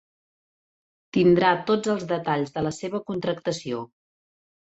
Tindrà tots els detalls de la seva contractació.